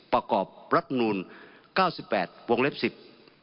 ประกอบรัฐนูร๙๘วงเท้อสิบ